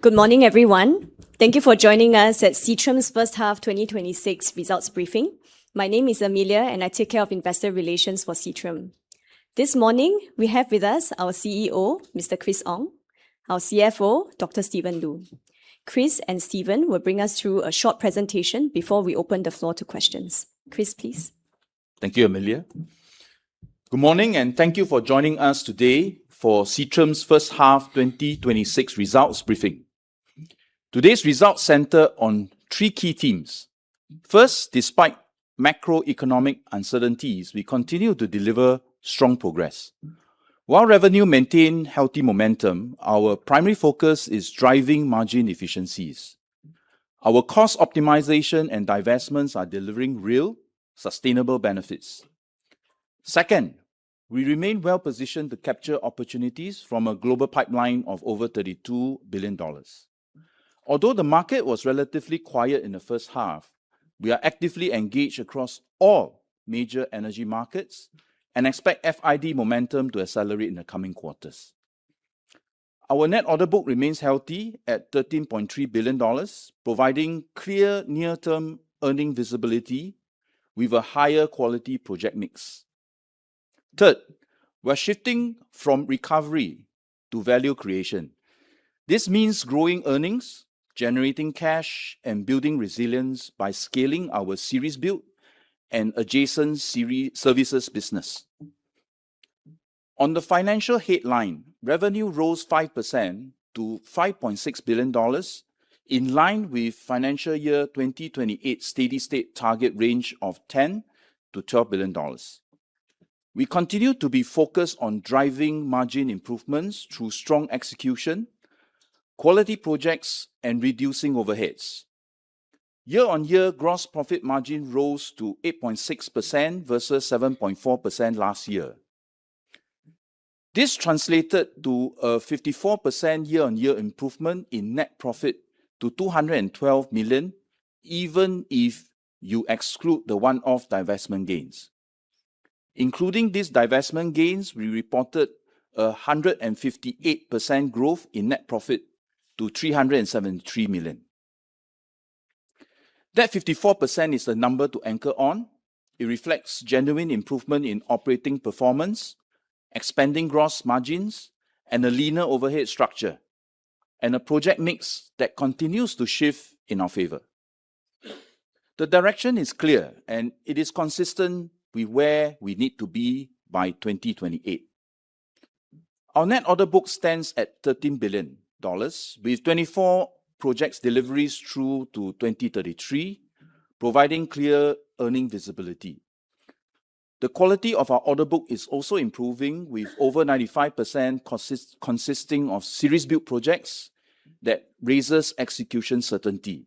Good morning, everyone. Thank you for joining us at Seatrium's First Half 2026 Results Briefing. My name is Amelia, and I take care of investor relations for Seatrium. This morning, we have with us our CEO, Mr. Chris Ong, our CFO, Dr. Stephen Lu. Chris and Stephen will bring us through a short presentation before we open the floor to questions. Chris, please. Thank you, Amelia. Good morning, and thank you for joining us today for Seatrium's First Half 2026 Results Briefing. Today's results center on three key themes. First, despite macroeconomic uncertainties, we continue to deliver strong progress. While revenue maintain healthy momentum, our primary focus is driving margin efficiencies. Our cost optimization and divestments are delivering real, sustainable benefits. Second, we remain well-positioned to capture opportunities from a global pipeline of over 32 billion dollars. Although the market was relatively quiet in the first half, we are actively engaged across all major energy markets and expect FID momentum to accelerate in the coming quarters. Our net order book remains healthy at SGD 13.3 billion, providing clear near-term earning visibility with a higher-quality project mix. Third, we're shifting from recovery to value creation. This means growing earnings, generating cash, and building resilience by scaling our series build and adjacent services business. On the financial headline, revenue rose 5% to 5.6 billion dollars, in line with FY 2028 steady-state target range of 10 billion-12 billion dollars. We continue to be focused on driving margin improvements through strong execution, quality projects, and reducing overheads. Year-on-year gross profit margin rose to 8.6% versus 7.4% last year. This translated to a 54% year-on-year improvement in net profit to 212 million, even if you exclude the one-off divestment gains. Including these divestment gains, we reported 158% growth in net profit to 373 million. That 54% is the number to anchor on. It reflects genuine improvement in operating performance, expanding gross margins, and a leaner overhead structure, and a project mix that continues to shift in our favor. The direction is clear, and it is consistent with where we need to be by 2028. Our net order book stands at SGD 13.3 Billion, with 24 projects deliveries through to 2033, providing clear earning visibility. The quality of our order book is also improving, with over 95% consisting of series build projects that raises execution certainty.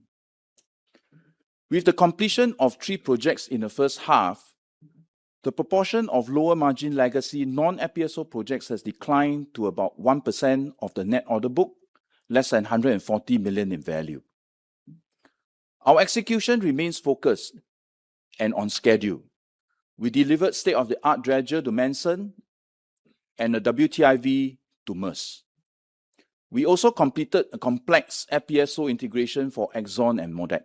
With the completion of three projects in the first half, the proportion of lower-margin legacy non-FPSO projects has declined to about 1% of the net order book, less than 140 million in value. Our execution remains focused and on schedule. We delivered state-of-the-art dredger to Manson and a WTIV to Maersk. We also completed a complex FPSO integration for Exxon and MODEC.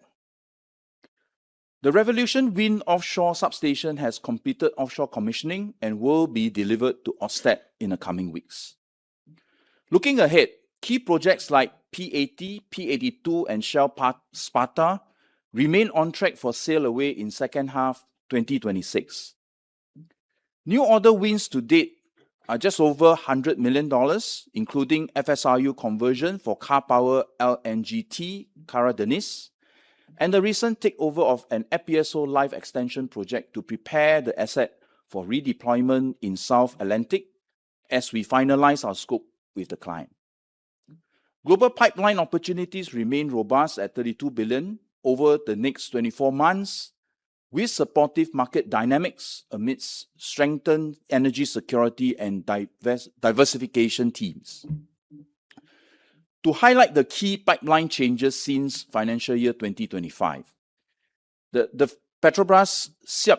The Revolution Wind offshore substation has completed offshore commissioning and will be delivered to Ørsted in the coming weeks. Looking ahead, key projects like P-80, P-82, and Shell Sparta remain on track for sail away in second half 2026. New order wins to date are just over 100 million dollars, including FSRU conversion for Karpowership LNGT Karadeniz, and the recent takeover of an FPSO life extension project to prepare the asset for redeployment in South Atlantic, as we finalize our scope with the client. Global pipeline opportunities remain robust at 32 billion over the next 24 months, with supportive market dynamics amidst strengthened energy security and diversification themes. To highlight the key pipeline changes since FY 2025, the Petrobras SEAP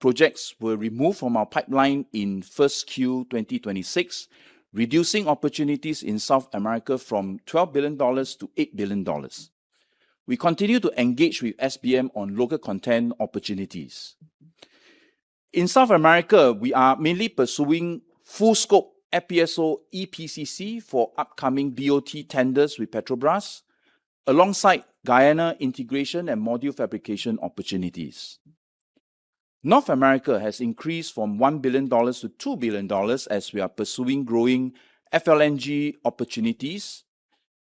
projects were removed from our pipeline in 1Q 2026, reducing opportunities in South America from 12 billion dollars to 8 billion dollars. We continue to engage with SBM on local content opportunities. In South America, we are mainly pursuing full-scope FPSO EPCC for upcoming BOT tenders with Petrobras, alongside Guyana integration and module fabrication opportunities. North America has increased from 1 billion dollars to 2 billion dollars as we are pursuing growing FLNG opportunities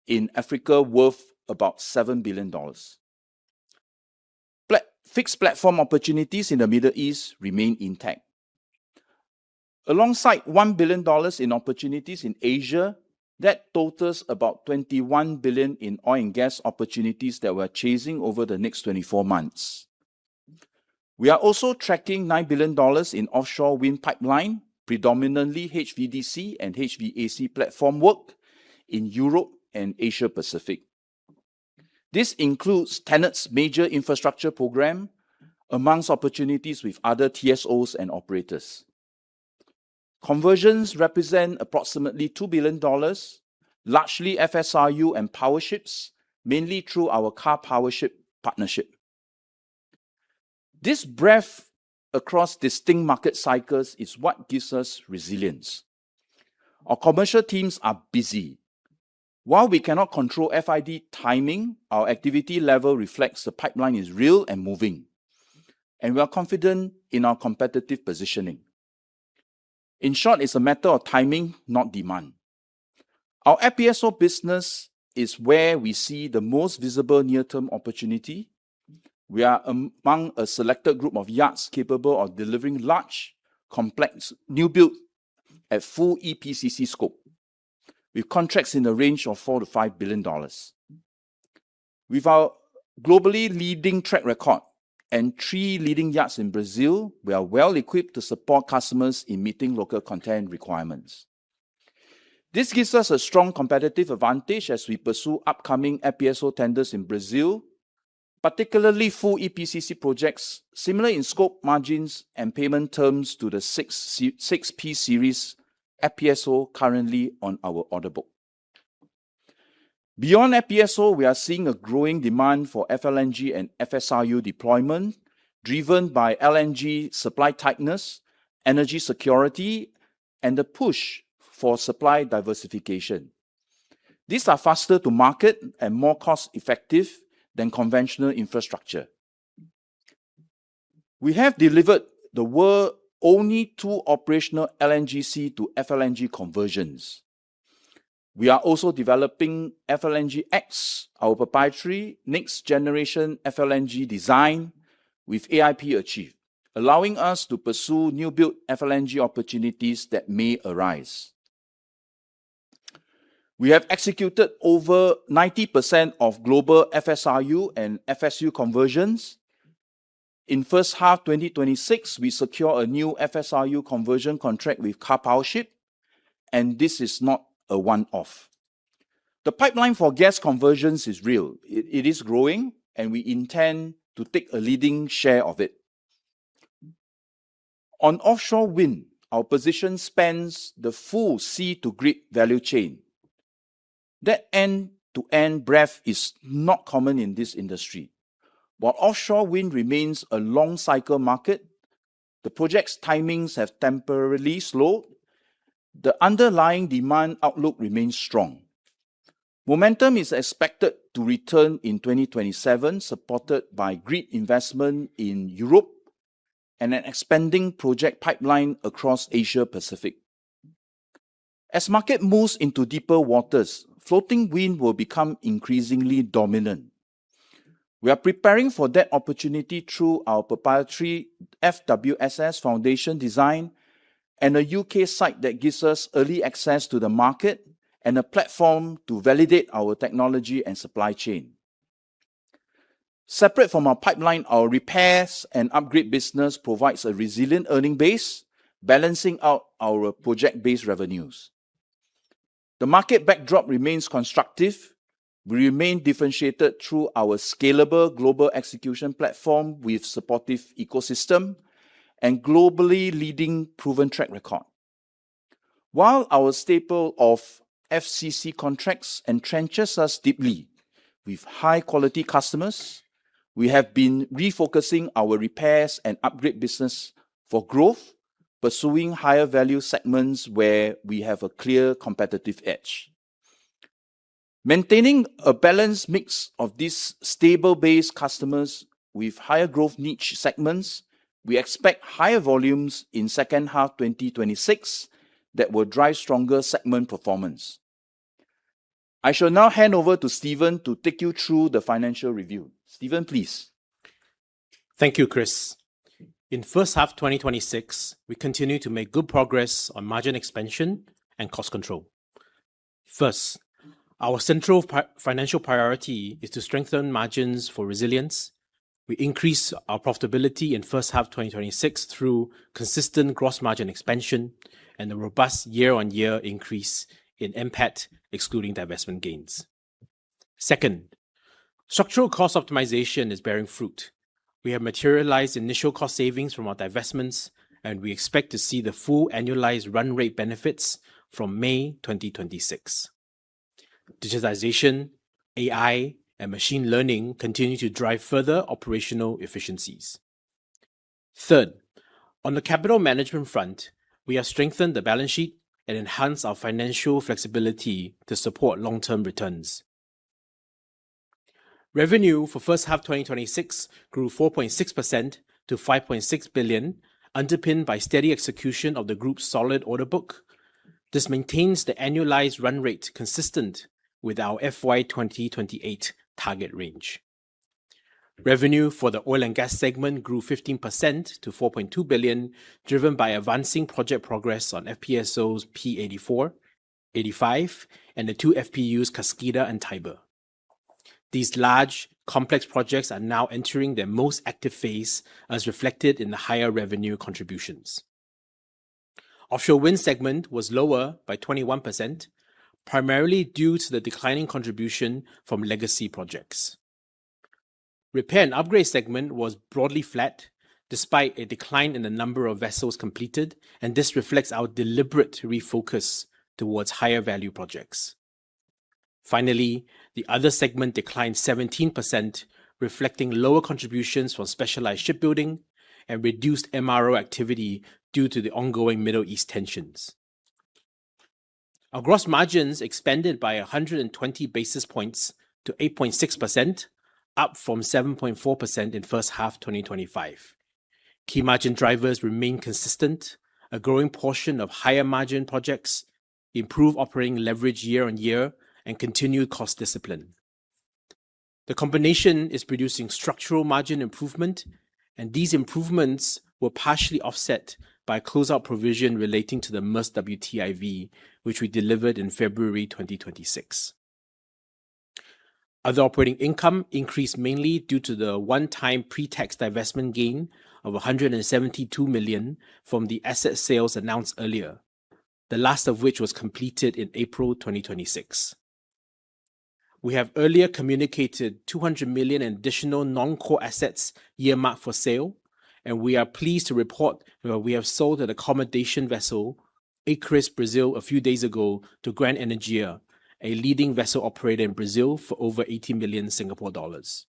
in Africa worth about 7 billion dollars. Fixed platform opportunities in the Middle East remain intact. Alongside 1 billion dollars in opportunities in Asia, that totals about 21 billion in oil and gas opportunities that we're chasing over the next 24 months. We are also tracking 9 billion dollars in offshore wind pipeline, predominantly HVDC and HVAC platform work in Europe and Asia Pacific. This includes TenneT's major infrastructure program amongst opportunities with other TSOs and operators. Conversions represent approximately 2 billion dollars, largely FSRU and powerships, mainly through our Karpowership partnership. This breadth across distinct market cycles is what gives us resilience. Our commercial teams are busy. While we cannot control FID timing, our activity level reflects the pipeline is real and moving, and we are confident in our competitive positioning. In short, it's a matter of timing, not demand. Our FPSO business is where we see the most visible near-term opportunity. We are among a selected group of yards capable of delivering large, complex new build at full EPCC scope, with contracts in the range of 4 billion-5 billion dollars. With our globally leading track record and three leading yards in Brazil, we are well-equipped to support customers in meeting local content requirements. This gives us a strong competitive advantage as we pursue upcoming FPSO tenders in Brazil, particularly full EPCC projects similar in scope, margins, and payment terms to the six P-series FPSO currently on our order book. Beyond FPSO, we are seeing a growing demand for FLNG and FSRU deployment, driven by LNG supply tightness, energy security, and the push for supply diversification. These are faster to market and more cost-effective than conventional infrastructure. We have delivered the world only two operational LNGC to FLNG conversions. We are also developing FLNGX, our proprietary next-generation FLNG design with AIP achieved, allowing us to pursue new build FLNG opportunities that may arise. We have executed over 90% of global FSRU and FSU conversions. In 1H 2026, we secure a new FSRU conversion contract with Karpowership, and this is not a one-off. The pipeline for gas conversions is real. It is growing, and we intend to take a leading share of it. On offshore wind, our position spans the full sea-to-grid value chain. That end-to-end breadth is not common in this industry. While offshore wind remains a long cycle market, the project's timings have temporarily slowed. The underlying demand outlook remains strong. Momentum is expected to return in 2027, supported by grid investment in Europe and an expanding project pipeline across Asia Pacific. As market moves into deeper waters, floating wind will become increasingly dominant. We are preparing for that opportunity through our proprietary FWSS foundation design and a U.K. site that gives us early access to the market and a platform to validate our technology and supply chain. Separate from our pipeline, our repairs and upgrade business provides a resilient earning base, balancing out our project-based revenues. The market backdrop remains constructive. We remain differentiated through our scalable global execution platform with supportive ecosystem and globally leading proven track record. While our staple of FCC contracts entrenches us deeply with high-quality customers, we have been refocusing our repairs and upgrade business for growth, pursuing higher-value segments where we have a clear competitive edge. Maintaining a balanced mix of these stable base customers with higher growth niche segments, we expect higher volumes in second half 2026 that will drive stronger segment performance. I shall now hand over to Stephen to take you through the financial review. Stephen, please. Thank you, Chris. In first half 2026, we continue to make good progress on margin expansion and cost control. First, our central financial priority is to strengthen margins for resilience. We increase our profitability in first half 2026 through consistent gross margin expansion and a robust year-on-year increase in NPAT, excluding divestment gains. Second, structural cost optimization is bearing fruit. We have materialized initial cost savings from our divestments, and we expect to see the full annualized run rate benefits from May 2026. Digitalization, AI, and machine learning continue to drive further operational efficiencies. Third, on the capital management front, we have strengthened the balance sheet and enhanced our financial flexibility to support long-term returns. Revenue for first half 2026 grew 4.6% to 5.6 billion, underpinned by steady execution of the group's solid order book. This maintains the annualized run rate consistent with our FY 2028 target range. Revenue for the oil and gas segment grew 15% to 4.2 billion, driven by advancing project progress on FPSOs P-84, P-85, and the two FPUs Kaskida and Tiber. These large, complex projects are now entering their most active phase, as reflected in the higher revenue contributions. Offshore wind segment was lower by 21%, primarily due to the declining contribution from legacy projects. Repair and upgrade segment was broadly flat despite a decline in the number of vessels completed. This reflects our deliberate refocus towards higher value projects. Finally, the other segment declined 17%, reflecting lower contributions from specialized shipbuilding. Reduced MRO activity due to the ongoing Middle East tensions. Our gross margins expanded by 120 basis points to 8.6%, up from 7.4% in first half 2025. Key margin drivers remain consistent. A growing portion of higher margin projects improve operating leverage year-on-year and continued cost discipline. The combination is producing structural margin improvement, and these improvements were partially offset by a close-out provision relating to the Maersk WTIV, which we delivered in February 2026. Other operating income increased mainly due to the one-time pre-tax divestment gain of 172 million from the asset sales announced earlier, the last of which was completed in April 2026. We have earlier communicated 200 million in additional non-core assets earmarked for sale, and we are pleased to report that we have sold an accommodation vessel, Aquarius Brasil, a few days ago to Grand Energia, a leading vessel operator in Brazil, for over 80 million Singapore dollars.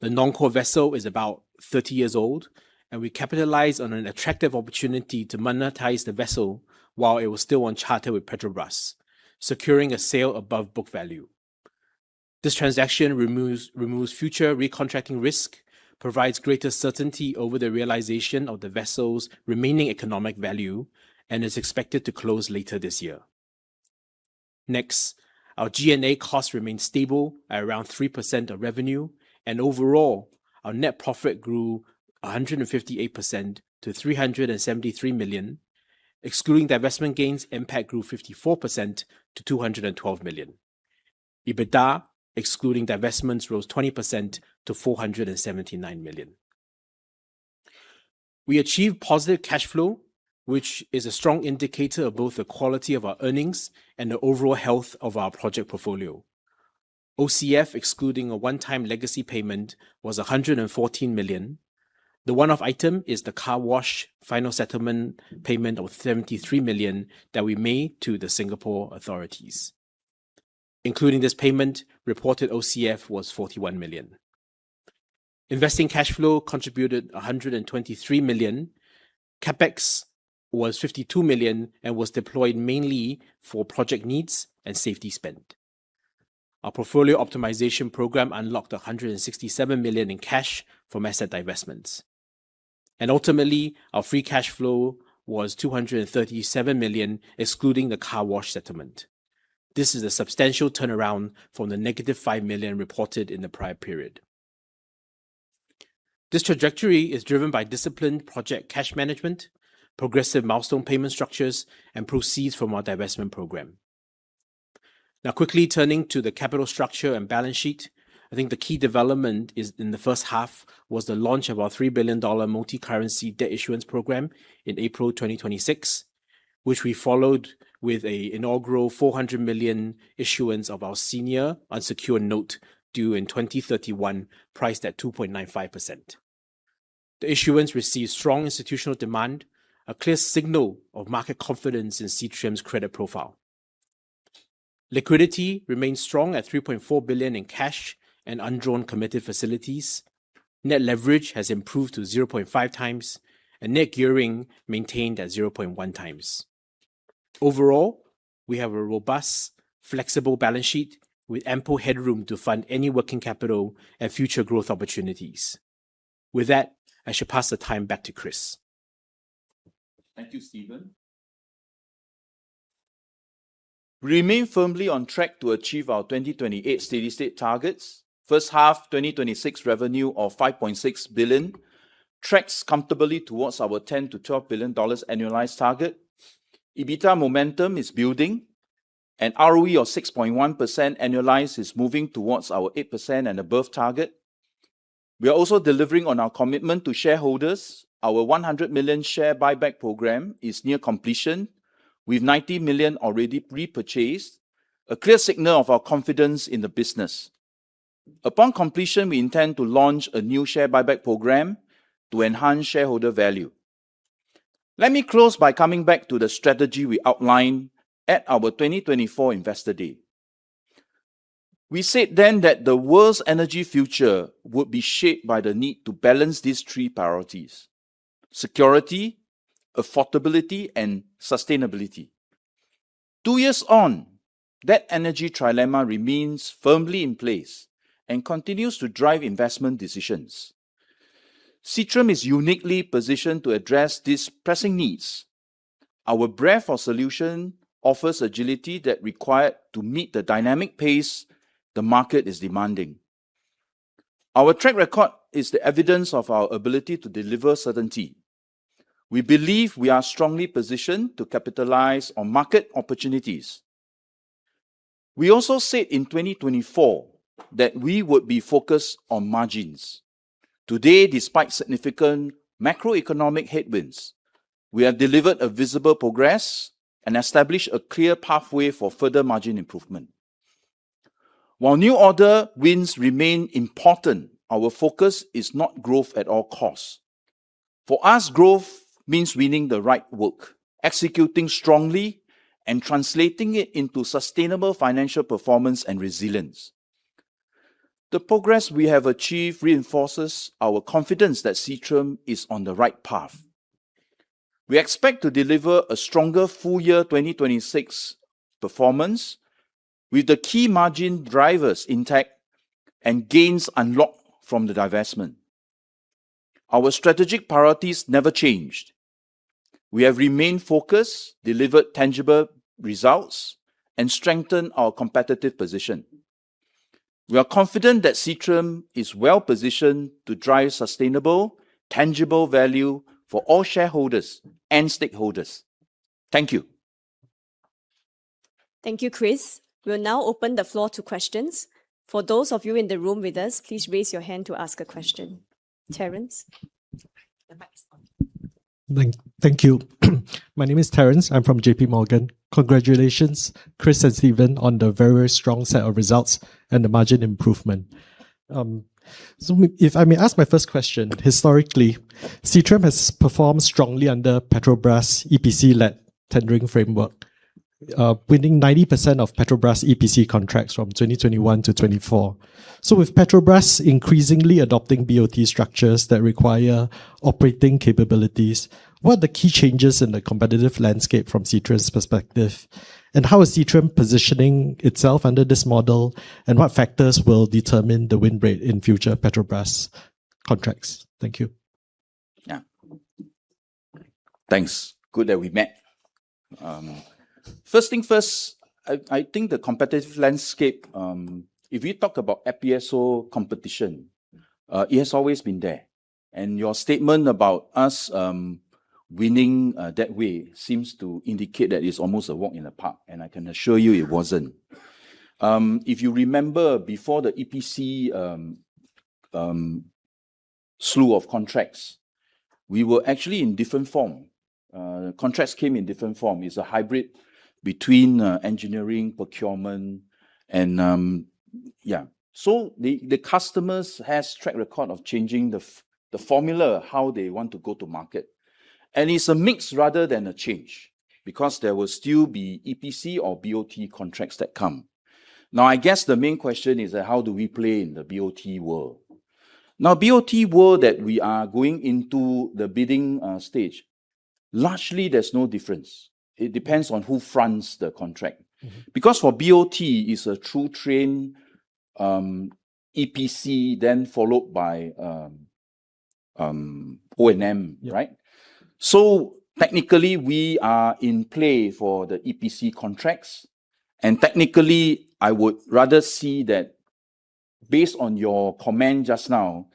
The non-core vessel is about 30 years old, and we capitalized on an attractive opportunity to monetize the vessel while it was still on charter with Petrobras, securing a sale above book value. This transaction removes future recontracting risk, provides greater certainty over the realization of the vessel's remaining economic value, and is expected to close later this year. Next, our G&A costs remain stable at around 3% of revenue, and overall, our net profit grew 158% to 373 million. Excluding divestment gains, NPAT grew 54% to 212 million. EBITDA, excluding divestments, rose 20% to 479 million. We achieved positive cash flow, which is a strong indicator of both the quality of our earnings and the overall health of our project portfolio. OCF, excluding a one-time legacy payment, was 114 million. The one-off item is the Carwash final settlement payment of 73 million that we made to the Singapore authorities. Including this payment, reported OCF was 41 million. Investing cash flow contributed 123 million. CapEx was 52 million and was deployed mainly for project needs and safety spend. Our portfolio optimization program unlocked 167 million in cash from asset divestments. Ultimately, our free cash flow was 237 million excluding the Carwash settlement. This is a substantial turnaround from the negative 5 million reported in the prior period. This trajectory is driven by disciplined project cash management, progressive milestone payment structures, and proceeds from our divestment program. Now quickly turning to the capital structure and balance sheet. I think the key development in the first half was the launch of our 3 billion dollar Multicurrency Debt Issuance Programme in April 2026, which we followed with an inaugural 400 million issuance of our senior unsecured note due in 2031, priced at 2.95%. The issuance received strong institutional demand, a clear signal of market confidence in Seatrium's credit profile. Liquidity remains strong at SGD 3.4 billion in cash and undrawn committed facilities. Net leverage has improved to 0.5x, and net gearing maintained at 0.1x. Overall, we have a robust, flexible balance sheet with ample headroom to fund any working capital and future growth opportunities. With that, I shall pass the time back to Chris. Thank you, Stephen. We remain firmly on track to achieve our 2028 steady-state targets. First half 2026 revenue of 5.6 billion tracks comfortably towards our 10 billion-12 billion dollars annualized target. EBITDA momentum is building, and ROE of 6.1% annualized is moving towards our 8% and above target. We are also delivering on our commitment to shareholders. Our 100 million share buyback program is near completion, with 90 million already repurchased, a clear signal of our confidence in the business. Upon completion, we intend to launch a new share buyback program to enhance shareholder value. Let me close by coming back to the strategy we outlined at our 2024 Investor Day. We said then that the world's energy future would be shaped by the need to balance these three priorities: security, affordability, and sustainability. Two years on, that energy trilemma remains firmly in place and continues to drive investment decisions. Seatrium is uniquely positioned to address these pressing needs. Our breadth of solution offers agility that required to meet the dynamic pace the market is demanding. Our track record is the evidence of our ability to deliver certainty. We believe we are strongly positioned to capitalize on market opportunities. We also said in 2024 that we would be focused on margins. Today, despite significant macroeconomic headwinds, we have delivered a visible progress and established a clear pathway for further margin improvement. While new order wins remain important, our focus is not growth at all costs. For us, growth means winning the right work, executing strongly, and translating it into sustainable financial performance and resilience. The progress we have achieved reinforces our confidence that Seatrium is on the right path. We expect to deliver a stronger full year 2026 performance, with the key margin drivers intact and gains unlocked from the divestment. Our strategic priorities never changed. We have remained focused, delivered tangible results, and strengthened our competitive position. We are confident that Seatrium is well-positioned to drive sustainable, tangible value for all shareholders and stakeholders. Thank you. Thank you, Chris. We'll now open the floor to questions. For those of you in the room with us, please raise your hand to ask a question. Terence, the mic is on. Thank you. My name is Terence, I am from JPMorgan. Congratulations, Chris and Stephen, on the very strong set of results and the margin improvement. If I may ask my first question, historically, Seatrium has performed strongly under Petrobras EPC-led tendering framework, winning 90% of Petrobras EPC contracts from 2021 to 2024. With Petrobras increasingly adopting BOT structures that require operating capabilities, what are the key changes in the competitive landscape from Seatrium's perspective? How is Seatrium positioning itself under this model, and what factors will determine the win rate in future Petrobras contracts? Thank you. Thanks. Good that we met. First things first, I think the competitive landscape, if you talk about FPSO competition, it has always been there. Your statement about us winning that way seems to indicate that it is almost a walk in the park, and I can assure you it wasn't. If you remember, before the EPC slew of contracts, we were actually in different form. Contracts came in different form. It is a hybrid between engineering, procurement. The customers have track record of changing the formula, how they want to go to market. It is a mix rather than a change, because there will still be EPC or BOT contracts that come. I guess the main question is that how do we play in the BOT world? BOT world that we are going into the bidding stage, largely, there is no difference. It depends on who fronts the contract. For BOT, it is a true train EPC then followed by O&M, right? Technically, we are in play for the EPC contracts, and technically, I would rather see that based on your comment just now,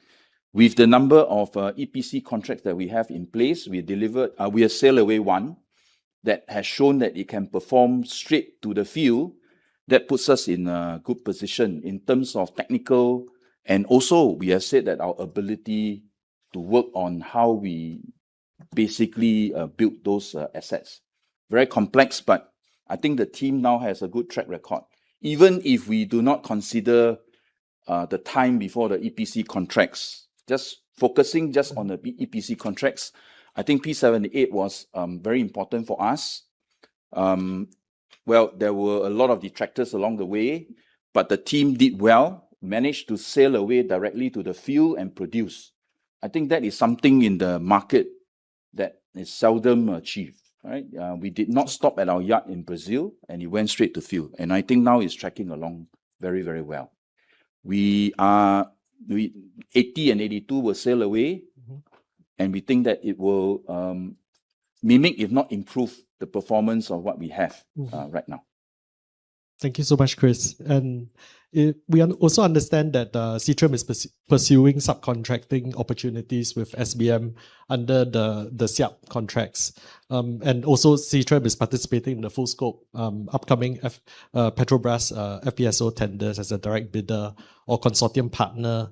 with the number of EPC contracts that we have in place, we are sail away one that has shown that it can perform straight to the field. That puts us in a good position in terms of technical, and also we have said that our ability to work on how we basically build those assets. Very complex. I think the team now has a good track record. Even if we do not consider the time before the EPC contracts, just focusing just on the EPC contracts, I think P-78 was very important for us. Well, there were a lot of detractors along the way, but the team did well, managed to sail away directly to the field and produce. I think that is something in the market that is seldom achieved, right? We did not stop at our yard in Brazil, and it went straight to field, and I think now it's tracking along very well. P-80 and P-82 will sail away. We think that it will mimic, if not improve, the performance of what we have right now. Thank you so much, Chris. We also understand that Seatrium is pursuing subcontracting opportunities with SBM under the SEAP contracts. Also Seatrium is participating in the full-scope upcoming Petrobras FPSO tenders as a direct bidder or consortium partner.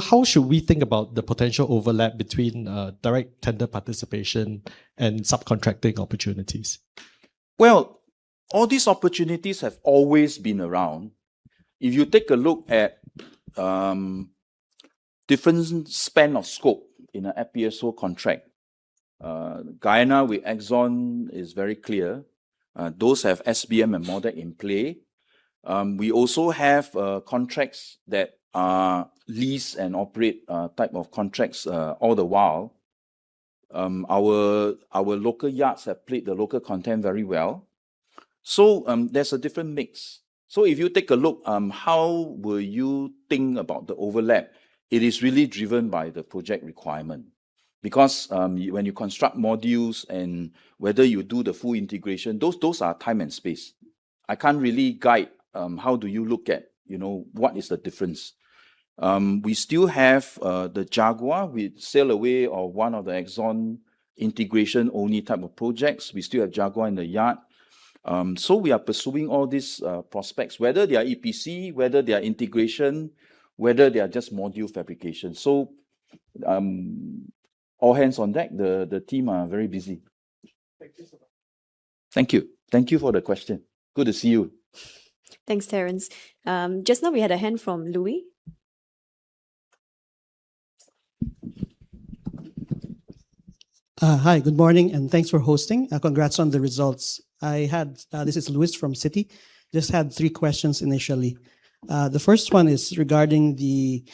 How should we think about the potential overlap between direct tender participation and subcontracting opportunities? All these opportunities have always been around. If you take a look at different span of scope in an FPSO contract, Guyana with Exxon is very clear. Those have SBM and MODEC in play. We also have contracts that are lease and operate type of contracts all the while. Our local yards have played the local content very well. There's a different mix. If you take a look, how will you think about the overlap? It is really driven by the project requirement. When you construct modules and whether you do the full integration, those are time and space. I can't really guide how do you look at what is the difference. We still have the Jaguar. We sail away of one of the Exxon integration-only type of projects. We still have Jaguar in the yard. We are pursuing all these prospects, whether they are EPC, whether they are integration, whether they are just module fabrication. All hands on deck. The team are very busy. Thank you so much. Thank you. Thank you for the question. Good to see you. Thanks, Terence. Just now we had a hand from Luis. Hi, good morning, and thanks for hosting. Congrats on the results. This is Luis from Citi. Just had three questions initially. The first one is regarding the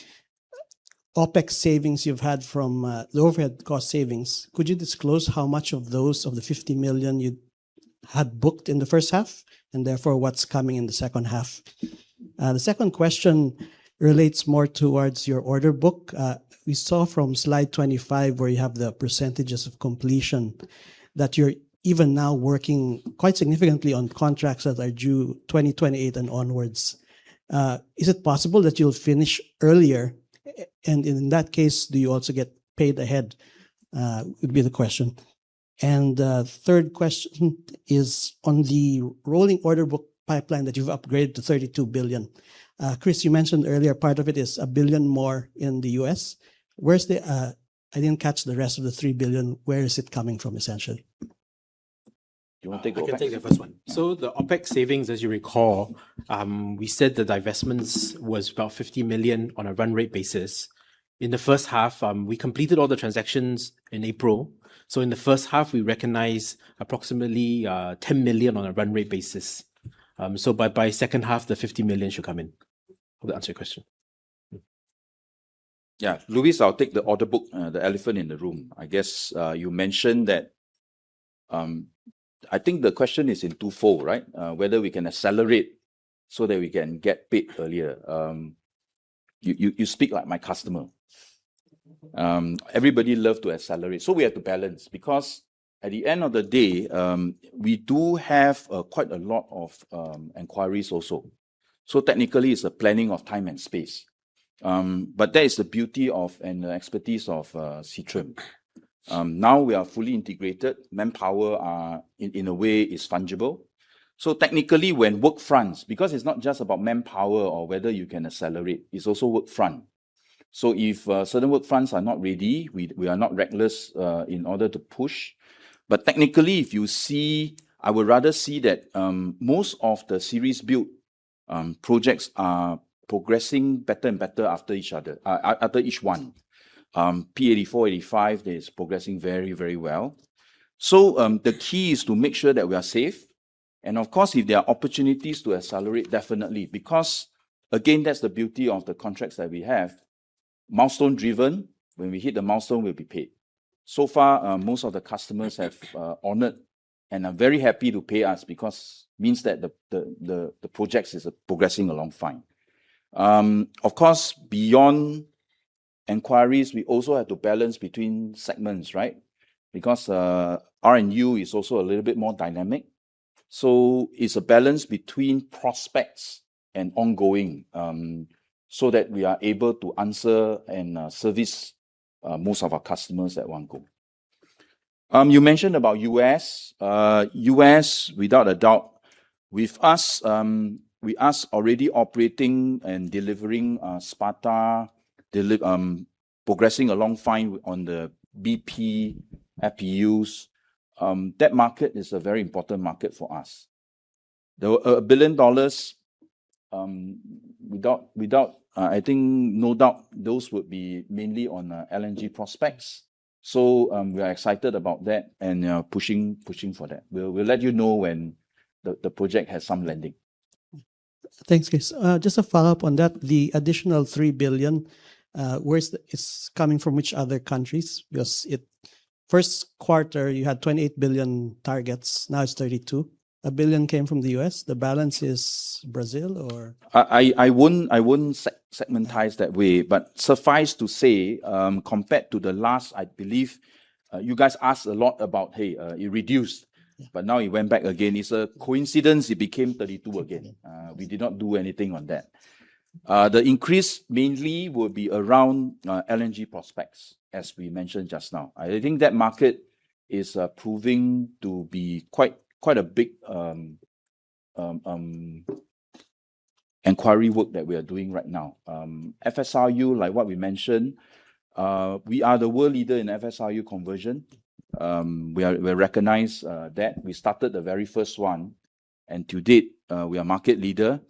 overhead cost savings. Could you disclose how much of those, of the 50 million you had booked in the first half, and therefore what's coming in the second half? The second question relates more towards your order book. We saw from slide 25, where you have the percentages of completion, that you're even now working quite significantly on contracts that are due 2028 and onwards. Is it possible that you'll finish earlier? In that case, do you also get paid ahead? Would be the question. Third question is on the rolling order book pipeline that you've upgraded to 32 billion. Chris, you mentioned earlier part of it is 1 billion more in the U.S. I didn't catch the rest of the 3 billion, where is it coming from, essentially? Do you want to take the first one? I can take the first one. The OpEx savings, as you recall, we said the divestments was about 50 million on a run-rate basis. In the first half, we completed all the transactions in April. In the first half, we recognized approximately 10 million on a run-rate basis. By second half, the 50 million should come in. Hope that answered your question. Yeah. Luis, I'll take the order book, the elephant in the room. I think the question is in twofold, right? Whether we can accelerate so that we can get paid earlier. You speak like my customer. Everybody love to accelerate. We have to balance, because at the end of the day, we do have quite a lot of inquiries also. Technically, it's the planning of time and space. That is the beauty and the expertise of Seatrium. Now we are fully integrated. Manpower, in a way, is fungible. Technically, when work fronts, because it's not just about manpower or whether you can accelerate, it's also work front. If certain work fronts are not ready, we are not reckless in order to push. Technically, I would rather see that most of the series build projects are progressing better and better after each one. P-84, P-85, that is progressing very well. The key is to make sure that we are safe, and of course, if there are opportunities to accelerate, definitely. Again, that's the beauty of the contracts that we have. Milestone driven. When we hit the milestone, we'll be paid. Most of the customers have honored and are very happy to pay us because means that the projects is progressing along fine. Beyond inquiries, we also have to balance between segments, right? R&U is also a little bit more dynamic, it's a balance between prospects and ongoing, that we are able to answer and service most of our customers at one go. You mentioned about U.S. U.S., without a doubt, with us already operating and delivering Sparta, progressing along fine on the BP FPUs. That market is a very important market for us. 1 billion dollars, I think no doubt those would be mainly on LNG prospects. We are excited about that and are pushing for that. We'll let you know when the project has some landing. Thanks, Chris. Just a follow-up on that, the additional 3 billion, it's coming from which other countries? Because first quarter, you had 28 billion targets, now it's 32 billion. 1 billion came from the U.S., the balance is Brazil, or? I wouldn't segmentize that way, suffice to say, compared to the last, I believe you guys asked a lot about, "Hey, it reduced," but now it went back again. It's a coincidence it became 32 billion again. We did not do anything on that. The increase mainly will be around LNG prospects, as we mentioned just now. I think that market is proving to be quite a big inquiry work that we are doing right now. FSRU, like what we mentioned, we are the world leader in FSRU conversion. We recognize that. We started the very first one, to date, we are market leader.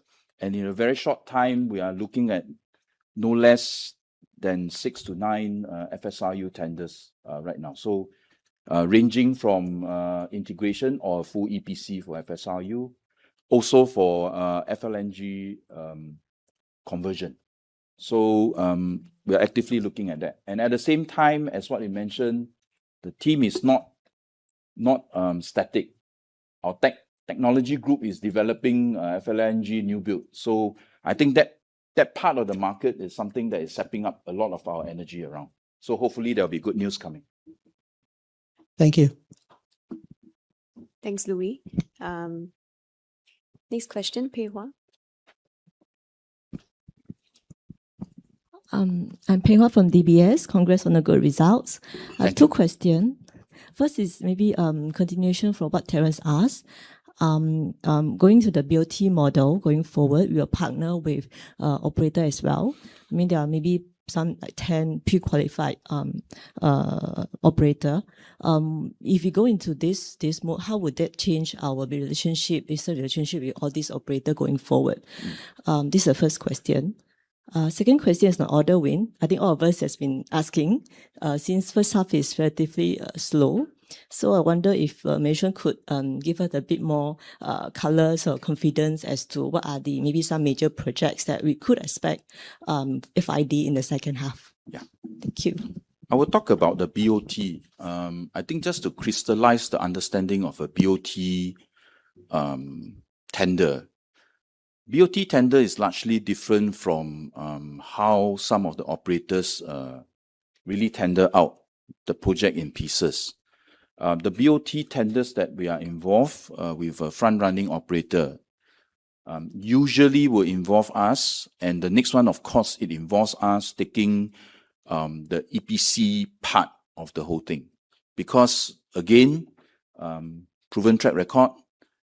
In a very short time, we are looking at no less than six to nine FSRU tenders right now. Ranging from integration or full EPC for FSRU, also for FLNG conversion. We are actively looking at that. At the same time, as what we mentioned, the team is not static. Our technology group is developing FLNG new build. I think that part of the market is something that is sapping up a lot of our energy around. Hopefully there'll be good news coming. Thank you. Thanks, Luis. Next question, Ho Pei Hwa. I'm Ho Pei Hwa from DBS. Congrats on the good results. I have two question First is maybe a continuation from what Terence asked. Going to the BOT model going forward, we are partner with operator as well. There are maybe some 10 pre-qualified operator. If you go into this mode, how would that change our relationship with all these operator going forward? This is the first question. Second question is on order win. I think all of us has been asking, since first half is relatively slow, so I wonder if Stephen could give us a bit more colors or confidence as to what are maybe some major projects that we could expect, FID in the second half. Thank you. I will talk about the BOT. I think just to crystallize the understanding of a BOT tender. BOT tender is largely different from how some of the operators really tender out the project in pieces. The BOT tenders that we are involved with a front-running operator usually will involve us. The next one, of course, it involves us taking the EPC part of the whole thing. Again, proven track record,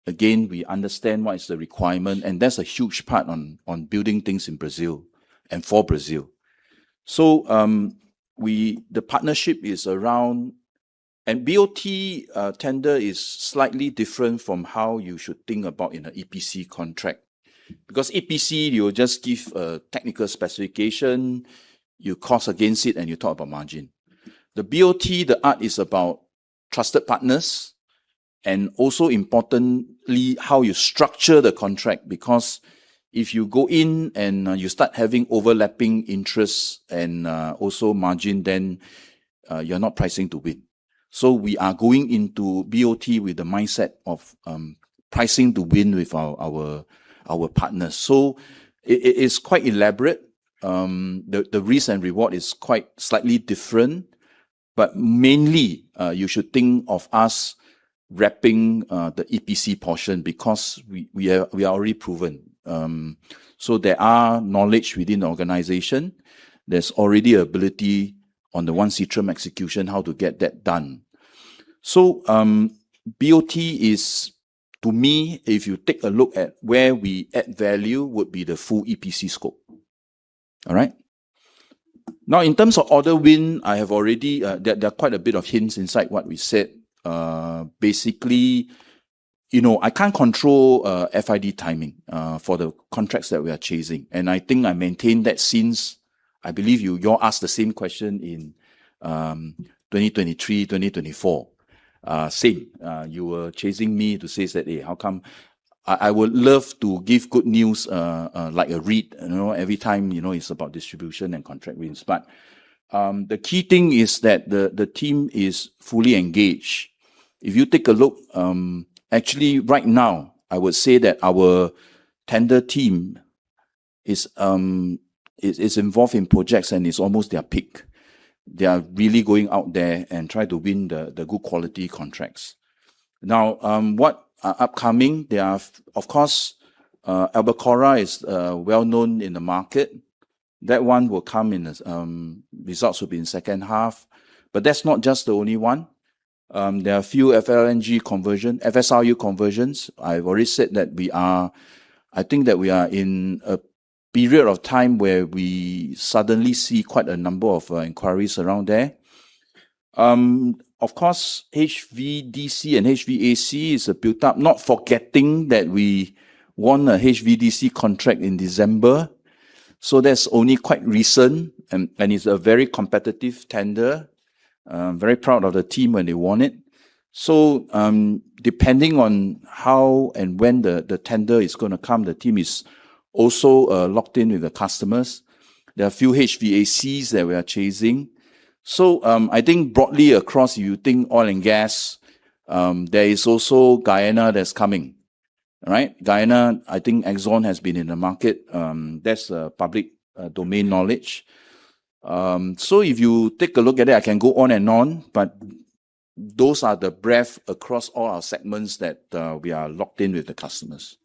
again, we understand what is the requirement, and that's a huge part on building things in Brazil and for Brazil. The partnership is around. BOT tender is slightly different from how you should think about in an EPC contract, because EPC, you just give a technical specification, you cost against it, and you talk about margin. The BOT, the art is about trusted partners and also importantly, how you structure the contract. If you go in and you start having overlapping interests and also margin, then you're not pricing to win. We are going into BOT with the mindset of pricing to win with our partners. It is quite elaborate. The risk and reward is quite slightly different, but mainly, you should think of us wrapping the EPC portion because we are already proven. There are knowledge within the organization. There's already ability on the One Seatrium execution, how to get that done. BOT is, to me, if you take a look at where we add value, would be the full EPC scope. All right? In terms of order win, there are quite a bit of hints inside what we said. I can't control FID timing for the contracts that we are chasing. I think I maintained that since, I believe you all asked the same question in 2023, 2024. Same, you were chasing me to say that, "Hey, how come?" I would love to give good news like a REIT every time it's about distribution and contract wins. The key thing is that the team is fully engaged. If you take a look, actually right now, I would say that our tender team is involved in projects, and it's almost their peak. They are really going out there and try to win the good quality contracts. What are upcoming? There are, of course, Albacora is well-known in the market. That one results will be in second half. That's not just the only one. There are a few FSRU conversions. I've already said that I think that we are in a period of time where we suddenly see quite a number of inquiries around there. Of course, HVDC and HVAC is a built up, not forgetting that we won a HVDC contract in December. That's only quite recent, and it's a very competitive tender. Very proud of the team when they won it. Depending on how and when the tender is going to come, the team is also locked in with the customers. There are a few HVACs that we are chasing. I think broadly across, you think oil and gas, there is also Guyana that's coming. Right? Guyana, I think ExxonMobil has been in the market. That's public domain knowledge. If you take a look at it, I can go on and on, but those are the breadth across all our segments that we are locked in with the customers.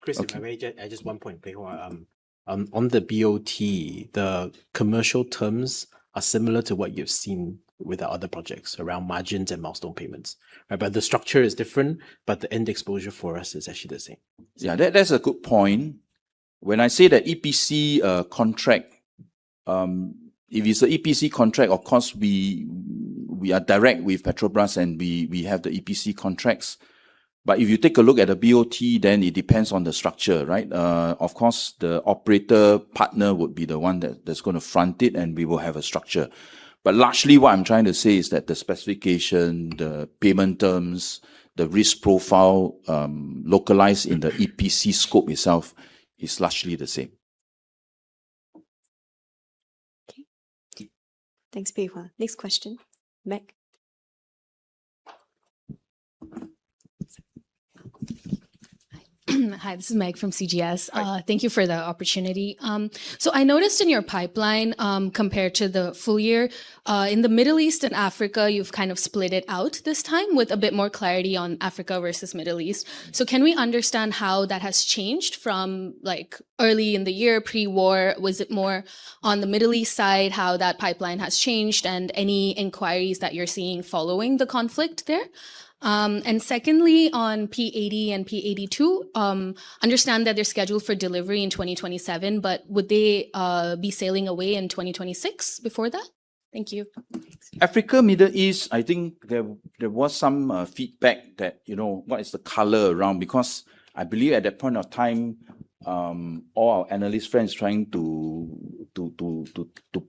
Chris, can I just one point, Ho Pei Hwa. On the BOT, the commercial terms are similar to what you've seen with our other projects around margins and milestone payments. The structure is different, but the end exposure for us is actually the same. Yeah, that's a good point. When I say the EPC contract, if it's a EPC contract, of course, we are direct with Petrobras, and we have the EPC contracts. If you take a look at a BOT, it depends on the structure, right? Of course, the operator partner would be the one that's going to front it, and we will have a structure. Largely what I'm trying to say is that the specification, the payment terms, the risk profile, localized in the EPC scope itself is largely the same. Thanks, Ho Pei Hwa. Next question. Meg. Hi, this is Meg from CGS. Thank you for the opportunity. I noticed in your pipeline, compared to the full year, in the Middle East and Africa, you've kind of split it out this time with a bit more clarity on Africa versus Middle East. Can we understand how that has changed from early in the year, pre-war? Was it more on the Middle East side, how that pipeline has changed, and any inquiries that you're seeing following the conflict there? Secondly, on P-80 and P-82, understand that they're scheduled for delivery in 2027, but would they be sailing away in 2026 before that? Thank you. Africa, Middle East, I think there was some feedback that, what is the color around, because I believe at that point of time, all our analyst friends trying to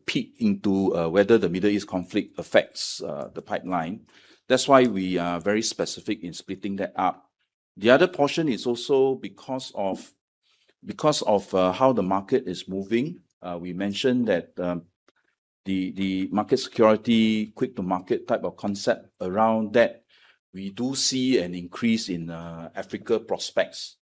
peek into whether the Middle East conflict affects the pipeline. That's why we are very specific in splitting that up. The other portion is also because of how the market is moving. We mentioned that the market security, quick to market type of concept around that, we do see an increase in Africa prospects.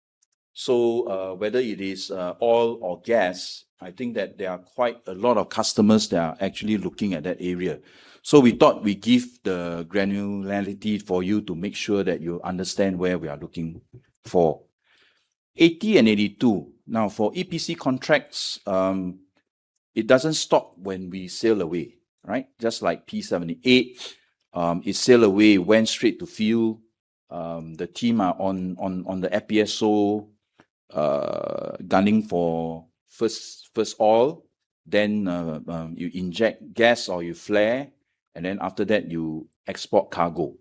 Whether it is oil or gas, I think that there are quite a lot of customers that are actually looking at that area. We thought we'd give the granularity for you to make sure that you understand where we are looking for. P-80 and P-82. For EPC contracts, it doesn't stop when we sail away. Just like P-78, it sailed away, went straight to field. The team is on the FPSO, gunning for first oil, then you inject gas, or you flare, and then after that, you export cargo.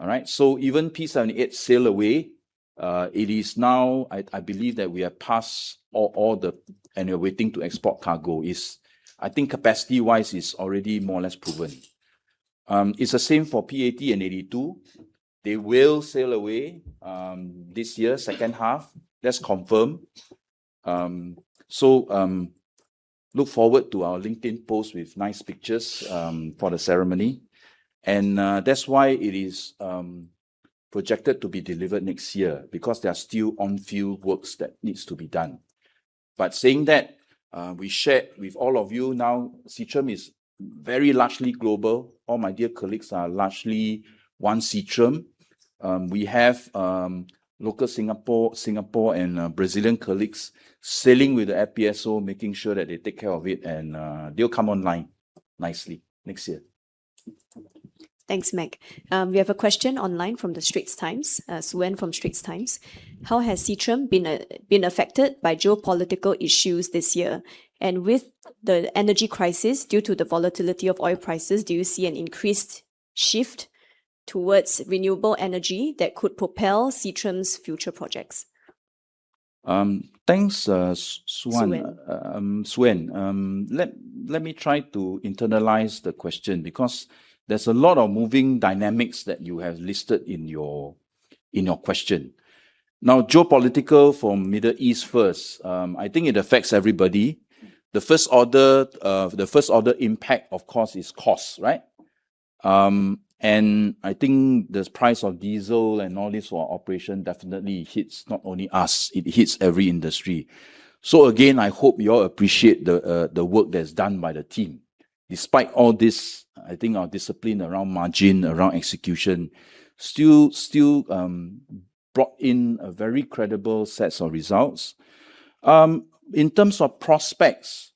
All right, even P-78 sailed away, it is now, I believe that we are past all the. We are waiting to export cargo. I think capacity-wise, it's already more or less proven. It's the same for P-80 and P-82. They will sail away this year, second half. That's confirmed. Look forward to our LinkedIn post with nice pictures for the ceremony. That's why it is projected to be delivered next year, because there are still on-field works that needs to be done. Saying that, we share with all of you now, Seatrium is very largely global. All my dear colleagues are largely One Seatrium. We have local Singapore and Brazilian colleagues sailing with the FPSO, making sure that they take care of it and they'll come online nicely next year. Thanks, Meg. We have a question online from The Straits Times. Shuyen from The Straits Times. How has Seatrium been affected by geopolitical issues this year? With the energy crisis due to the volatility of oil prices, do you see an increased shift towards renewable energy that could propel Seatrium's future projects? Thanks, Shuyen. Let me try to internalize the question, because there's a lot of moving dynamics that you have listed in your question. Geopolitical for Middle East first. I think it affects everybody. The first order impact, of course, is cost, right? I think the price of diesel and all this for operation definitely hits not only us, it hits every industry. Again, I hope you all appreciate the work that's done by the team. Despite all this, I think our discipline around margin, around execution, still brought in a very credible sets of results. In terms of prospects,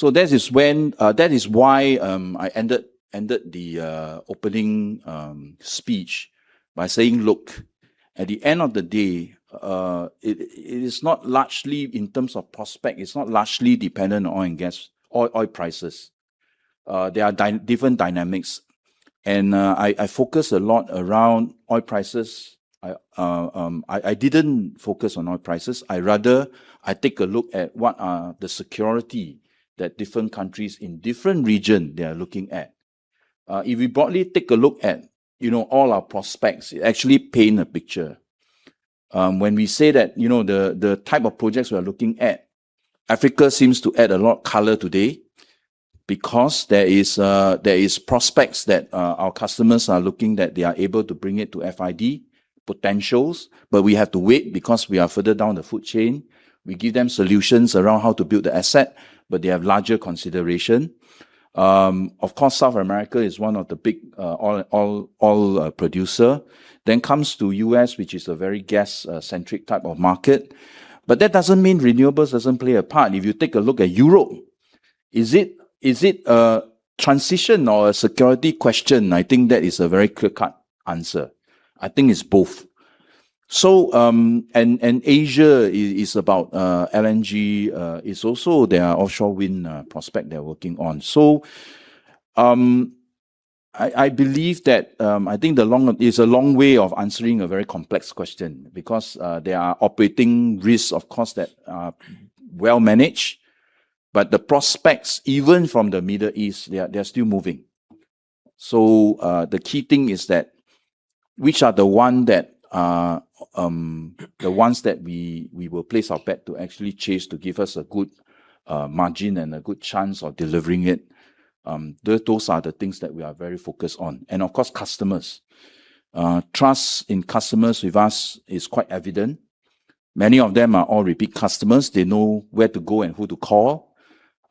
that is why I ended the opening speech by saying, look, at the end of the day, it is not largely in terms of prospect, it's not largely dependent on oil and gas, oil prices. There are different dynamics. I focus a lot around oil prices. I didn't focus on oil prices. I rather, I take a look at what are the security that different countries in different region they are looking at. If we broadly take a look at all our prospects, it actually paint a picture. When we say that the type of projects we are looking at, Africa seems to add a lot color today because there is prospects that our customers are looking that they are able to bring it to FID potentials, but we have to wait because we are further down the food chain. We give them solutions around how to build the asset, but they have larger consideration. Of course, South America is one of the big oil producer. Comes to U.S., which is a very gas-centric type of market. That doesn't mean renewables doesn't play a part. If you take a look at Europe, is it a transition or a security question? I think that is a very clear-cut answer. I think it's both. Asia is about LNG. It's also their offshore wind prospect they're working on. I believe that, I think it's a long way of answering a very complex question because there are operating risks, of course, that are well managed, but the prospects, even from the Middle East, they are still moving. The key thing is that which are the ones that we will place our bet to actually chase to give us a good margin and a good chance of delivering it. Those are the things that we are very focused on. Of course, customers. Trust in customers with us is quite evident. Many of them are all repeat customers. They know where to go and who to call.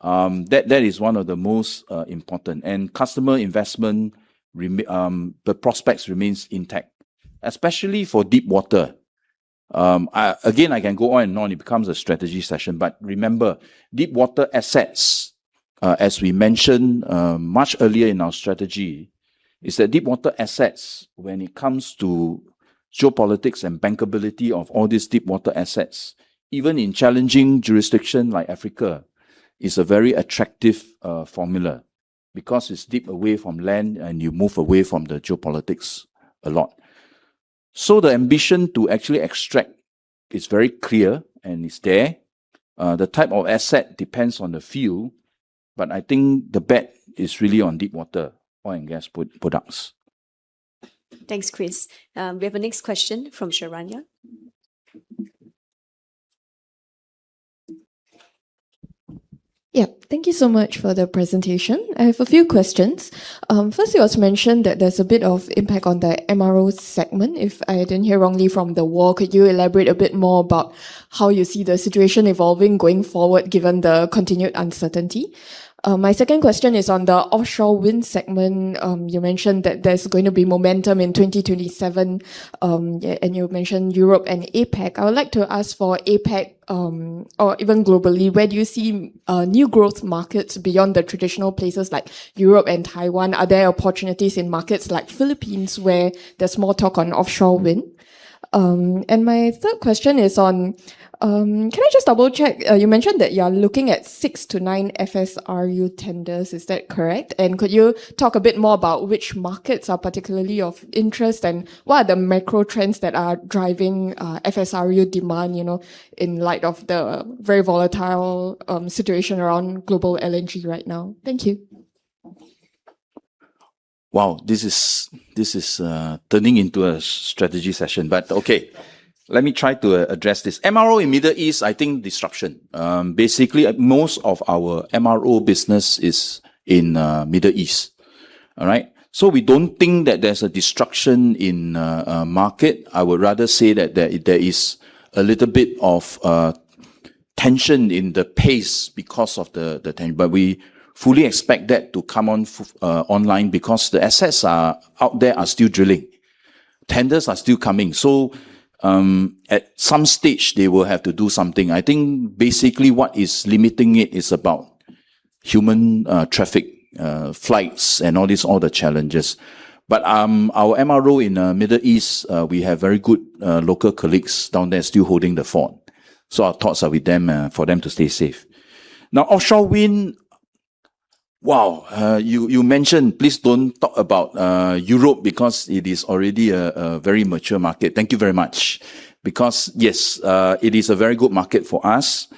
That is one of the most important. Customer investment, the prospects remains intact, especially for deep water. Again, I can go on and on. It becomes a strategy session. Remember, deep water assets, as we mentioned much earlier in our strategy, when it comes to geopolitics and bankability of all these deep water assets, even in challenging jurisdiction like Africa, is a very attractive formula because it's deep away from land and you move away from the geopolitics a lot. The ambition to actually extract is very clear and is there. The type of asset depends on the field, but I think the bet is really on deep water oil and gas products. Thanks, Chris. We have a next question from Sharanya. Thank you so much for the presentation. I have a few questions. First, you also mentioned that there's a bit of impact on the MRO segment, if I didn't hear wrongly from the floor, could you elaborate a bit more about how you see the situation evolving going forward given the continued uncertainty? My second question is on the offshore wind segment. You mentioned that there's going to be momentum in 2027, and you mentioned Europe and APAC. I would like to ask for APAC, or even globally, where do you see new growth markets beyond the traditional places like Europe and Taiwan? Are there opportunities in markets like Philippines where there's more talk on offshore wind? My third question is on, can I just double-check, you mentioned that you're looking at six to nine FSRU tenders, is that correct? Could you talk a bit more about which markets are particularly of interest, and what are the macro trends that are driving FSRU demand, in light of the very volatile situation around global LNG right now? Thank you. Wow. This is turning into a strategy session, but okay. Let me try to address this. MRO in Middle East, I think disruption. Basically, most of our MRO business is in Middle East. All right? We don't think that there's a disruption in market. I would rather say that there is a little bit of tension in the pace because of the time, but we fully expect that to come online because the assets are out there are still drilling. Tenders are still coming. At some stage they will have to do something. I think basically what is limiting it is about human traffic, flights, and all the challenges. Our MRO in Middle East, we have very good local colleagues down there still holding the fort. Our thoughts are with them, for them to stay safe. Now, offshore wind. Wow. You mentioned please don't talk about Europe because it is already a very mature market. Thank you very much. Yes, it is a very good market for us.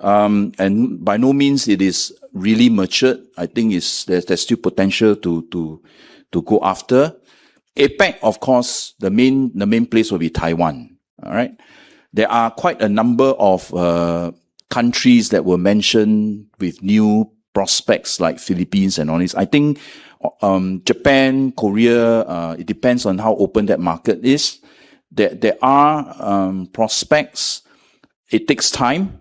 By no means it is really mature. I think there's still potential to go after. APAC, of course, the main place will be Taiwan. All right? There are quite a number of countries that were mentioned with new prospects like Philippines and all this. I think, Japan, Korea, it depends on how open that market is. There are prospects. It takes time.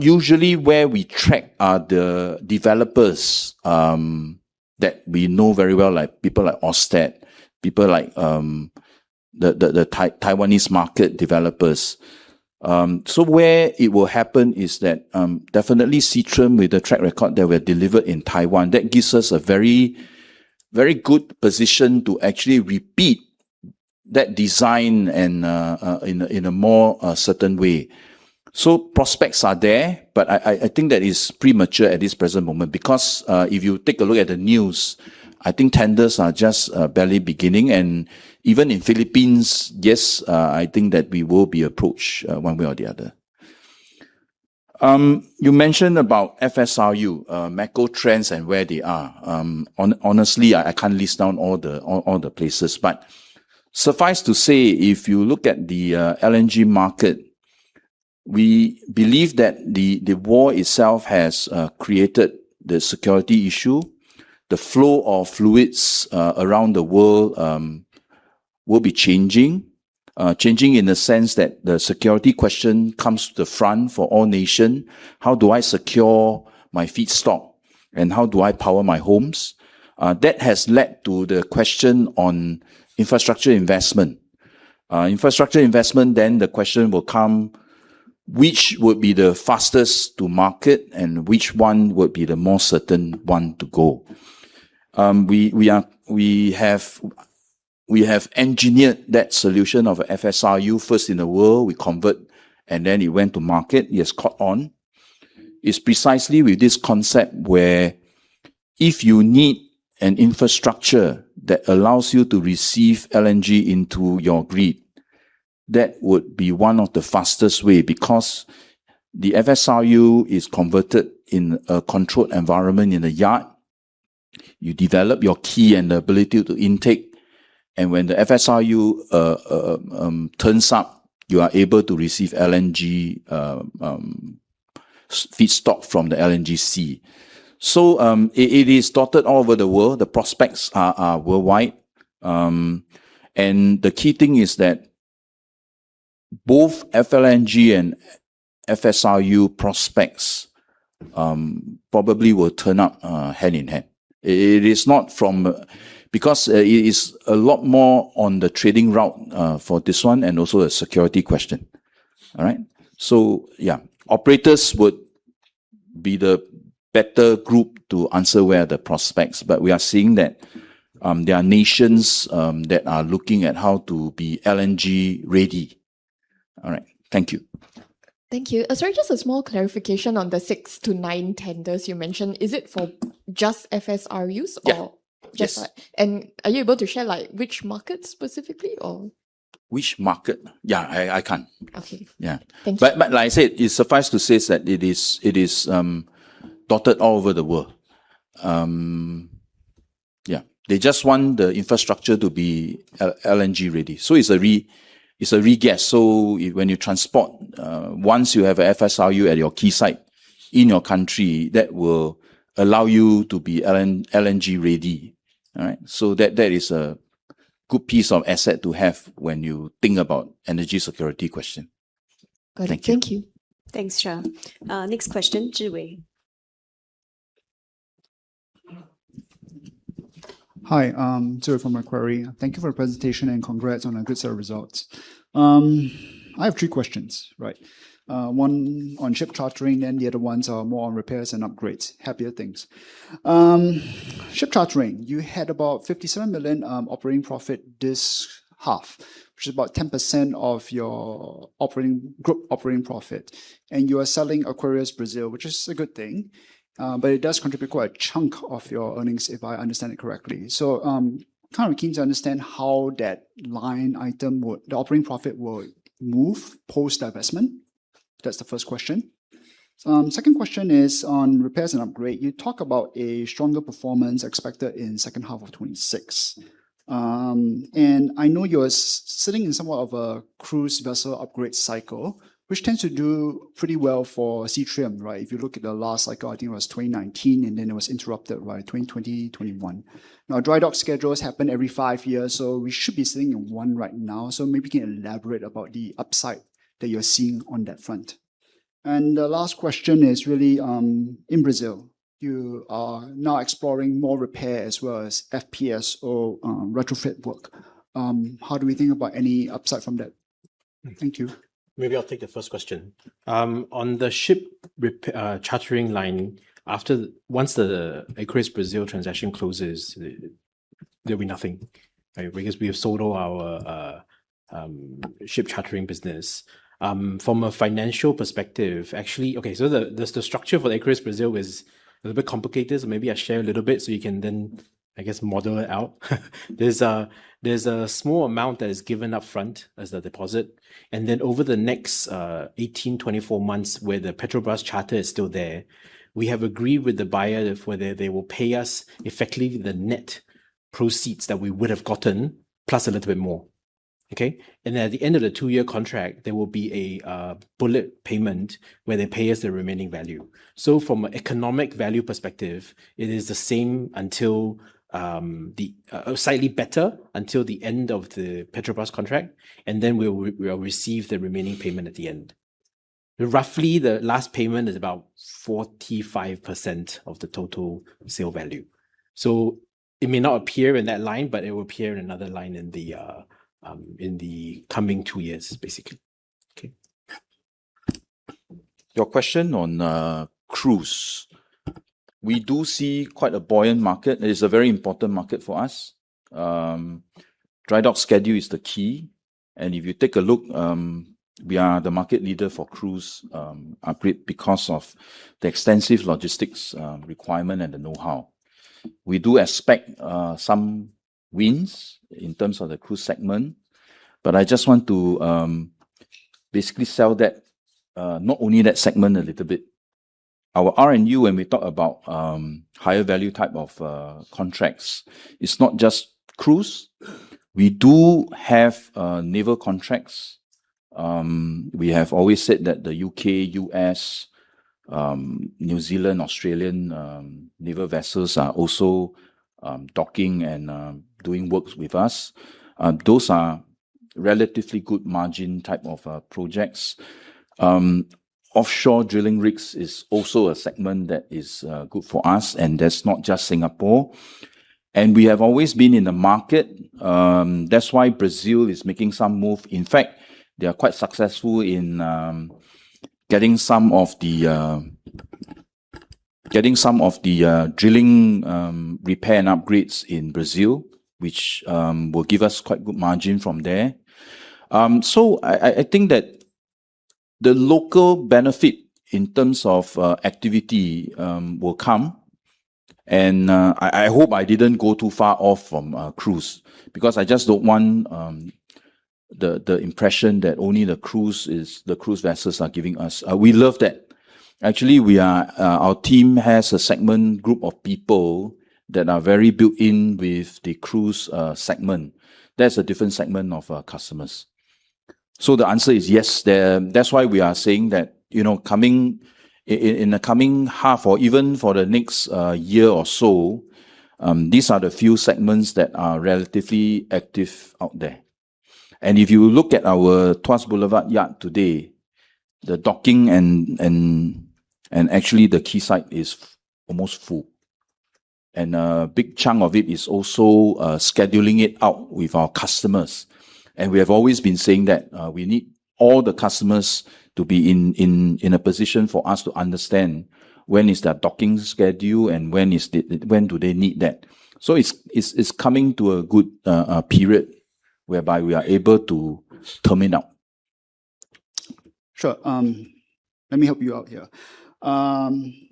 Usually where we track are the developers, that we know very well, like people like Ørsted, people like the Taiwanese market developers. Where it will happen is that, definitely Seatrium with the track record that we had delivered in Taiwan, that gives us a very good position to actually repeat that design and in a more certain way. Prospects are there, but I think that is premature at this present moment because, if you take a look at the news, I think tenders are just barely beginning and even in Philippines, yes, I think that we will be approached, one way or the other. You mentioned about FSRU, macro trends and where they are. Honestly, I can't list down all the places, but suffice to say, if you look at the LNG market, we believe that the war itself has created the security issue. The flow of fluids around the world will be changing. Changing in the sense that the security question comes to the front for all nation. How do I secure my feedstock, and how do I power my homes? That has led to the question on infrastructure investment. Infrastructure investment, then the question will come, which would be the fastest to market and which one would be the most certain one to go? We have engineered that solution of FSRU, first in the world. We convert, and then it went to market. It has caught on. It's precisely with this concept where if you need an infrastructure that allows you to receive LNG into your grid, that would be one of the fastest way because the FSRU is converted in a controlled environment in a yard. You develop your key and the ability to intake, and when the FSRU turns up, you are able to receive LNG feedstock from the LNG sea. It is dotted all over the world. The prospects are worldwide. The key thing is that both FLNG and FSRU prospects probably will turn up hand in hand. It is a lot more on the trading route, for this one, and also a security question. Operators would be the better group to answer where are the prospects. We are seeing that there are nations that are looking at how to be LNG ready. All right. Thank you. Thank you. Sorry, just a small clarification on the six to nine tenders you mentioned. Is it for just FSRUs or- Yeah just-- Are you able to share which markets specifically, or? Which market? Yeah, I can't. Okay. Like I said, it's suffice to say that it is dotted all over the world. Yeah. They just want the infrastructure to be LNG ready. It's a regas. When you transport, once you have a FSRU at your quayside in your country, that will allow you to be LNG ready. All right? That is a good piece of asset to have when you think about energy security question. Got it. Thank you. Thank you. Thanks, Sharanya. Next question, Zhi Wei. Hi, Zhi Wei from Macquarie. Thank you for your presentation. Congrats on a good set of results. I have three questions, right. One on ship chartering, and the other ones are more on repairs and upgrades, happier things. Ship chartering, you had about 57 million operating profit this half, which is about 10% of your group operating profit. You are selling Aquarius Brasil, which is a good thing. It does contribute quite a chunk of your earnings, if I understand it correctly. Kind of keen to understand how that line item, the operating profit, will move post-divestment. That's the first question. Second question is on repairs and upgrade. You talk about a stronger performance expected in second half of 2026. I know you're sitting in somewhat of a cruise vessel upgrade cycle, which tends to do pretty well for Seatrium, right? If you look at the last, I think it was 2019. Then it was interrupted by 2020, 2021. Dry dock schedules happen every five years, so we should be sitting in one right now. Maybe you can elaborate about the upside that you're seeing on that front. The last question is really, in Brazil, you are now exploring more repair as well as FPSO retrofit work. How do we think about any upside from that? Thank you. Maybe I'll take the first question. On the ship chartering line, once the Aquarius Brasil transaction closes, there'll be nothing, right, because we have sold all our ship chartering business. From a financial perspective, actually, okay, the structure for the Aquarius Brasil is a little bit complicated. Maybe I'll share a little bit so you can then, I guess, model it out. There's a small amount that is given upfront as the deposit. Then over the next 18, 24 months, where the Petrobras charter is still there, we have agreed with the buyer for that they will pay us effectively the net proceeds that we would've gotten, plus a little bit more. Okay? Then at the end of the two-year contract, there will be a bullet payment where they pay us the remaining value. From an economic value perspective, it is slightly better until the end of the Petrobras contract, and then we'll receive the remaining payment at the end. Roughly, the last payment is about 45% of the total sale value. It may not appear in that line, but it will appear in another line in the coming two years, basically. Your question on cruise. We do see quite a buoyant market. It is a very important market for us. Dry dock schedule is the key, and if you take a look, we are the market leader for cruise upgrade because of the extensive logistics requirement and the know-how. We do expect some wins in terms of the cruise segment, but I just want to basically sell that, not only that segment a little bit. Our R&U, when we talk about higher value type of contracts, it's not just cruise. We do have naval contracts. We have always said that the U.K., U.S., New Zealand, Australian naval vessels are also docking and doing works with us. Those are relatively good margin type of projects. Offshore drilling rigs is also a segment that is good for us, and that's not just Singapore. We have always been in the market. That's why Brazil is making some move. In fact, they are quite successful in getting some of the drilling repair and upgrades in Brazil, which will give us quite good margin from there. I think that the local benefit in terms of activity will come, and I hope I didn't go too far off from cruise because I just don't want the impression that only the cruise vessels are giving us. We love that. Actually, our team has a segment group of people that are very built in with the cruise segment. That's a different segment of customers. The answer is yes. That's why we are saying that in the coming half or even for the next year or so, these are the few segments that are relatively active out there. If you look at our Tuas Boulevard yard today, the docking and actually the quayside is almost full. A big chunk of it is also scheduling it out with our customers. We have always been saying that we need all the customers to be in a position for us to understand when is their docking schedule and when do they need that. It's coming to a good period whereby we are able to term it out. Sure. Let me help you out here.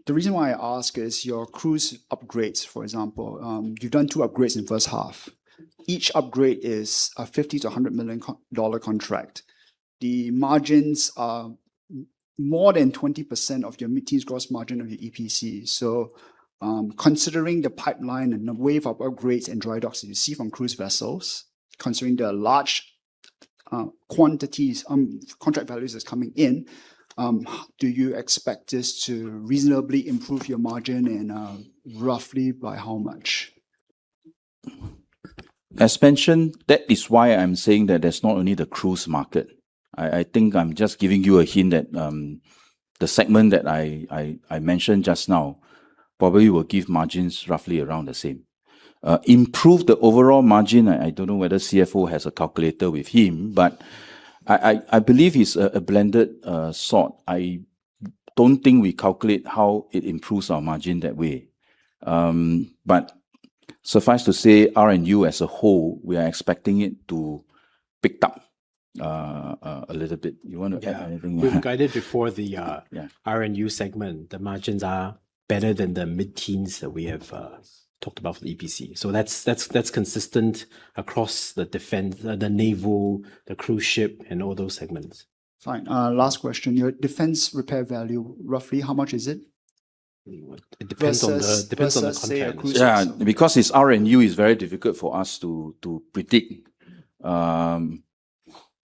The reason why I ask is your cruise upgrades, for example. You've done two upgrades in first half. Each upgrade is a 50 million-100 million dollar contract. The margins are more than 20% of your mid-teens gross margin of your EPC. Considering the pipeline and the wave of upgrades and dry docks that you see from cruise vessels, considering the large quantities, contract values that's coming in, do you expect this to reasonably improve your margin and roughly by how much? As mentioned, that is why I'm saying that there's not only the cruise market. I think I'm just giving you a hint that the segment that I mentioned just now probably will give margins roughly around the same. Improve the overall margin, I don't know whether CFO has a calculator with him, but I believe it's a blended sort. I don't think we calculate how it improves our margin that way. Suffice to say, R&U as a whole, we are expecting it to pick up a little bit. You want to add anything? Yeah. We've guided before R&U segment. The margins are better than the mid-teens that we have talked about for the EPC. That's consistent across the defense, the naval, the cruise ship, and all those segments. Fine. Last question. Your defense repair value, roughly, how much is it? It depends on the contracts. Versus, say, a cruise ship. Yeah. Because it's R&U, it's very difficult for us to predict.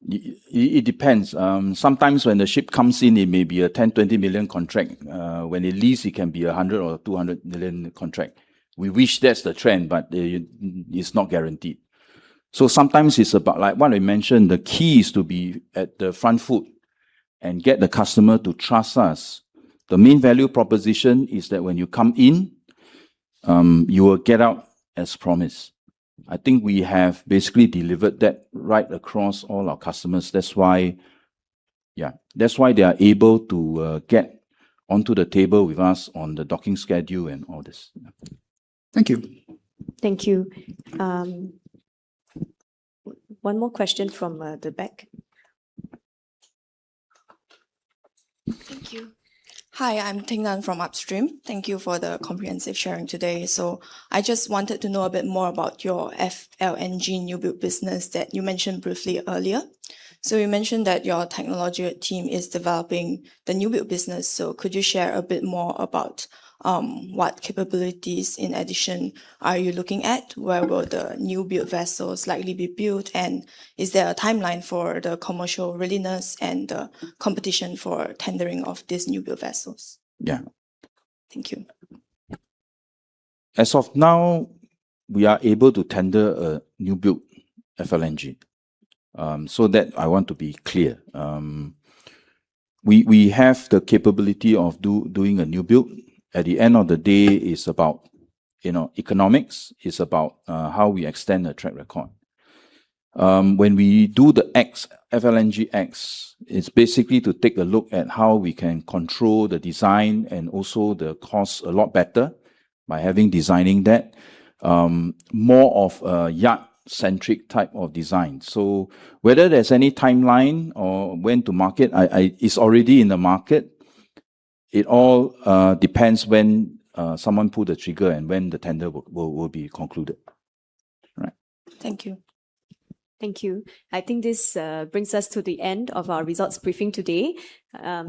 It depends. Sometimes when the ship comes in, it may be a 10 million, 20 million contract. When it leaves, it can be 100 million or 200 million contract. We wish that's the trend, but it's not guaranteed. Sometimes it's about, like what I mentioned, the key is to be at the front foot and get the customer to trust us. The main value proposition is that when you come in, you will get out as promised. I think we have basically delivered that right across all our customers. That's why they are able to get onto the table with us on the docking schedule and all this. Thank you. Thank you. One more question from the back. Thank you. Hi, I'm Ting Nan from Upstream. Thank you for the comprehensive sharing today. I just wanted to know a bit more about your FLNG new build business that you mentioned briefly earlier. You mentioned that your technology team is developing the new build business, could you share a bit more about what capabilities in addition are you looking at? Where will the new build vessels likely be built? Is there a timeline for the commercial readiness and the competition for tendering of these new build vessels? Yeah. Thank you. As of now, we are able to tender a new build FLNG. That I want to be clear. We have the capability of doing a new build. At the end of the day, it's about economics. It's about how we extend the track record. When we do the FLNGX, it's basically to take a look at how we can control the design and also the cost a lot better by having designing that. More of a yacht-centric type of design. Whether there's any timeline or when to market, it's already in the market. It all depends when someone pull the trigger and when the tender will be concluded. Right. Thank you. Thank you. I think this brings us to the end of our results briefing today.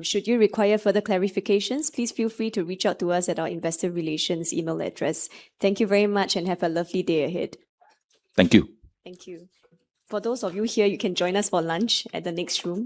Should you require further clarifications, please feel free to reach out to us at our investor relations email address. Thank you very much and have a lovely day ahead. Thank you. Thank you. For those of you here, you can join us for lunch at the next room